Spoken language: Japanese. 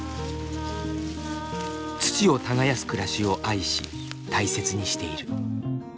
土を耕す暮らしを愛し大切にしている。